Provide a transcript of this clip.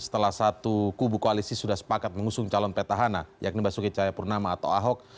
setelah satu kubu koalisi sudah sepakat mengusung calon petahana yakni basuki cahayapurnama atau ahok